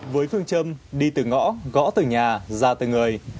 với phương châm đi từ ngõ gõ từ nhà ra từ người